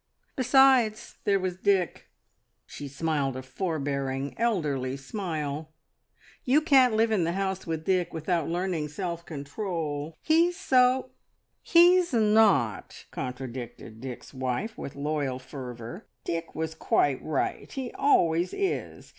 Besides, there was Dick!" She smiled a forbearing, elderly smile. "You can't live in the house with Dick without learning self control. He's so " "He's not!" contradicted Dick's wife, with loyal fervour. "Dick was quite right; he always is.